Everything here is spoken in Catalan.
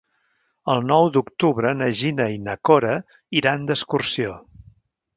El nou d'octubre na Gina i na Cora iran d'excursió.